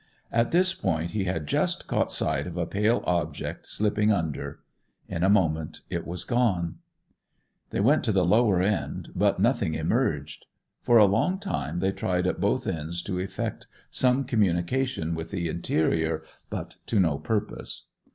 At this point he had just caught sight of a pale object slipping under. In a moment it was gone. They went to the lower end, but nothing emerged. For a long time they tried at both ends to effect some communication with the interior, but to no purpose.